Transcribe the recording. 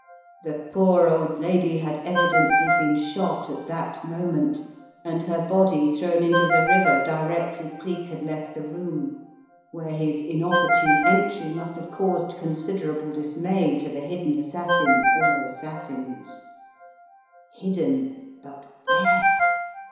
The poor old lady had evidently been shot at that moment, and her body thrown into the river directly Cleek had left the room, where his inop portune entry must have caused considerable dis may to the hidden assassin, or assassins. Hidden; but where?